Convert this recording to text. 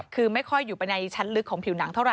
คือไม่ค่อยอยู่ไปในชั้นลึกของผิวหนังเท่าไห